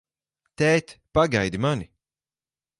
Tēt, pagaidi mani!